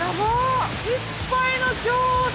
いっぱいの餃子